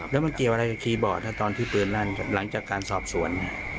แล้วมันเกี่ยวอะไรกับคีย์บอร์ดตอนที่ปืนลั่นหลังจากการสอบสวน